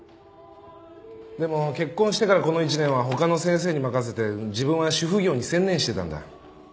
でも結婚してからこの１年は他の先生に任せて自分は主婦業に専念してたんだ。